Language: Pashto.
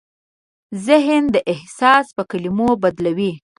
ذهن دا احساس په کلمو بدلوي.